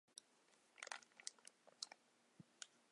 这种光圈的光学轴与光圈的机械中心不重合的光学系统。